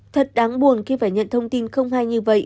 thật đáng buồn khi phải nhận thông tin không hay như vậy